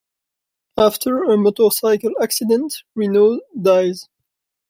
After a motorcycle accident, Renaud dies.